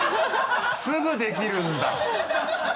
すぐできるんだ。